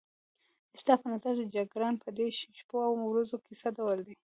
ستا په نظر جګړن په دې شپو او ورځو کې څه ډول دی؟